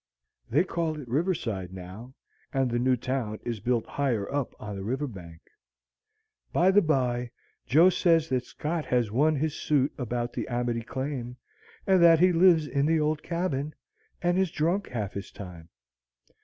They call it Riverside now; and the new town is built higher up on the river bank. By the by, 'Jo' says that Scott has won his suit about the 'Amity Claim,' and that he lives in the old cabin, and is drunk half his time.